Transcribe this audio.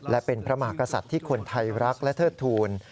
และเป็นพระมหากษัตริย์ที่คนไทยรักและเทิดทูล